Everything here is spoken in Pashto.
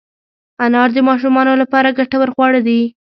انار د ماشومانو لپاره ګټور خواړه دي.